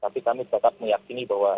tapi kami tetap meyakini bahwa